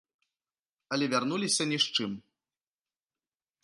Але вярнуліся ні з чым.